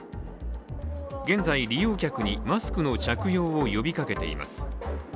現在、利用客にマスクの着用を呼びかけています。